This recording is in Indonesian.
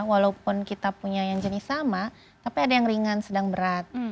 walaupun kita punya yang jenis sama tapi ada yang ringan sedang berat